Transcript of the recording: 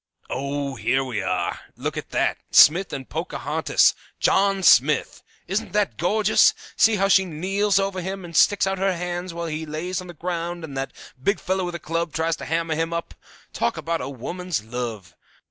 "Ah, here we are! Look at that! Smith and Pocahontas! John Smith! Isn't that gorgeous? See how she kneels over him, and sticks out her hands while he lays on the ground and that big fellow with a club tries to hammer him up. Talk about woman's love!